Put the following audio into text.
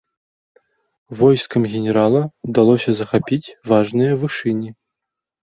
Войскам генерала ўдалося захапіць важныя вышыні.